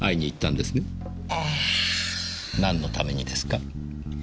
なんのためにですか？